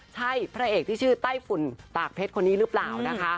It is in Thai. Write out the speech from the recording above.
ใช่พระเอกที่ชื่อไต้ฝุ่นตากเพชรคนนี้หรือเปล่านะคะ